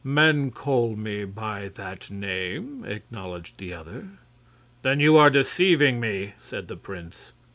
"Men call me by that name," acknowledged the other. "Then you are deceiving me," said the prince.